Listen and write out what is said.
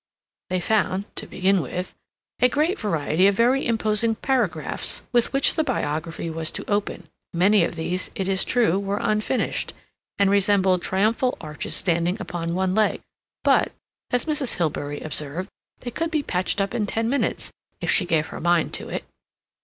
They found, to begin with, a great variety of very imposing paragraphs with which the biography was to open; many of these, it is true, were unfinished, and resembled triumphal arches standing upon one leg, but, as Mrs. Hilbery observed, they could be patched up in ten minutes, if she gave her mind to it.